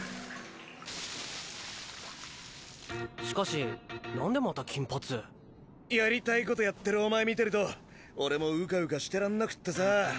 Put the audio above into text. しかしなんでまた金髪？やりたいことやってるお前見てると俺もうかうかしてらんなくってさぁ。